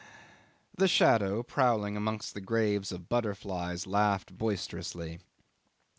'The shadow prowling amongst the graves of butterflies laughed boisterously.